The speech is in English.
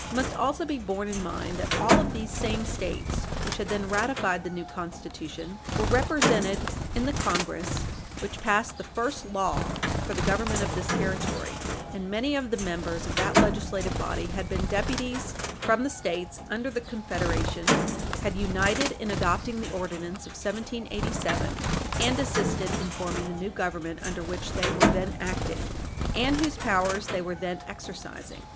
It must also be borne in mind that all of these same States which had then ratified the new Constitution were represented in the Congress which passed the first law for the government of this territory, and many of the members of that legislative body had been deputies from the States under the Confederation had united in adopting the Ordinance of 1787 and assisted in forming the new Government under which they were then acting, and whose powers they were then exercising.